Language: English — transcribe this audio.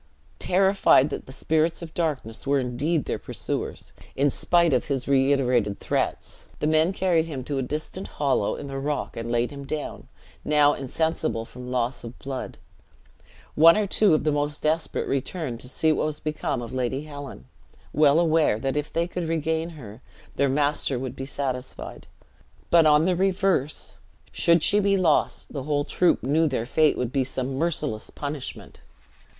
Terrified that the spirits of darkness were indeed their pursuers, in spite of his reiterated threats, the men carried him to a distant hollow in the rock, and laid him down, now insensible from loss of blood. One or two of the most desperate returned to see what was become of Lady Helen; well aware that if they could regain her, their master would be satisfied; but, on the reverse, should she be lost, the whole troop knew their fate would be some merciless punishment.